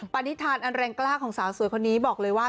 ณิธานอันแรงกล้าของสาวสวยคนนี้บอกเลยว่า